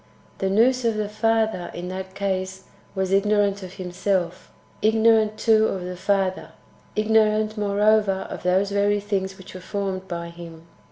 The Nous of the Father, in that case, w^as ignorant of Himself ; ignorant, too, of the Father; ignorant, moreover, of those very things which were formed by Him.